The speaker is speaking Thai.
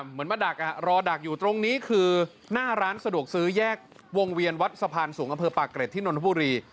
เหมือนมาดักรอดักอยู่ตรงนี้คือหน้าร้านสะดวกซื้อแยกวงเวียนวัดสะพานสูงอำเภอปากเกร็ดที่นนทบุรี